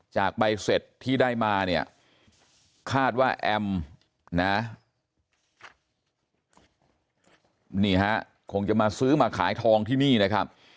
จากใบเสร็จที่ได้มาเนี่ยคาดว่าแอมนะนี่ฮะคงจะมาซื้อมาขายทองที่นี่นะครับ